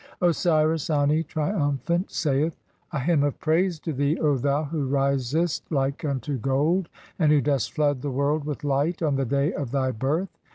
Osiris Ani, triumphant, saith : "A hymn of praise to thee, O "thou who risest like unto gold, and who dost flood the world "with light on the dav of thy birth.